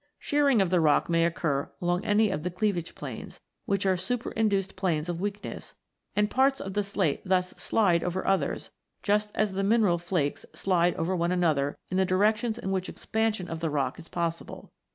Shearing of the rock may occur along any of the cleavage planes, which are superinduced planes of weakness, and parts of the slate thus slide over others, just as the mineral flakes slide over one another in the directions in which expansion of the rock is possible.